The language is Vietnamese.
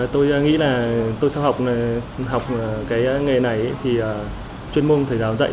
tôi nghĩ là tôi sẽ học cái nghề này thì chuyên môn thầy giáo dạy